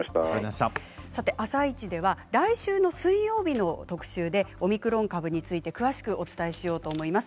「あさイチ」では来週の水曜日の特集でオミクロン株について詳しくお伝えします。